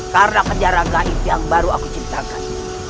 karena penjara gaib yang baru aku ciptakan